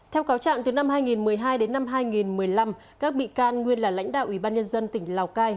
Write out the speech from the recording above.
theo cáo trạng từ năm hai nghìn một mươi hai đến năm hai nghìn một mươi năm các bị can nguyên là lãnh đạo ủy ban nhân dân tỉnh lào cai